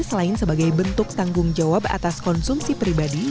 selain sebagai bentuk tanggung jawab atas konsumsi pribadi